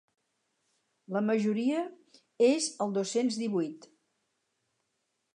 La majoria és als dos-cents divuit.